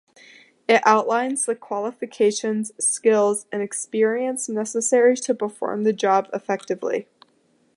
It outlines the qualifications, skills, and experience necessary to perform the job effectively.